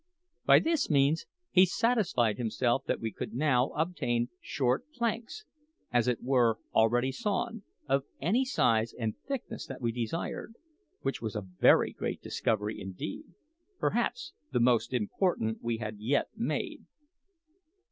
By this means he satisfied himself that we could now obtain short planks, as it were all ready sawn, of any size and thickness that we desired, which was a very great discovery indeed perhaps the most important we had yet made.